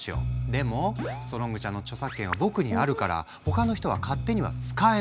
でもストロングちゃんの著作権は僕にあるから他の人は勝手には使えない。